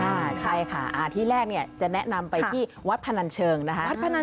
ใช่ค่ะที่แรกเนี่ยจะแนะนำไปที่วัดพนันเชิงนะคะ